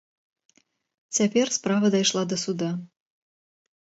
Цяпер справа дайшла да суда.